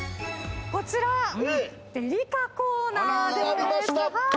こちらデリカコーナーです。